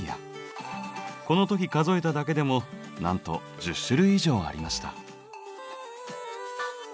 この時数えただけでもなんと１０種類以上ありました。